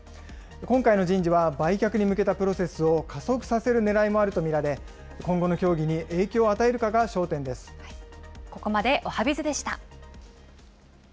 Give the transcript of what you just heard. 今回の人事は、売却に向けたプロセスを加速させるねらいもあると見られ、今後の協議に影響を与えここまでおはＢｉｚでした。